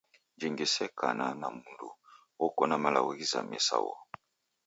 Jingi se kana na mundu wokona malagho ghizamie sa uo.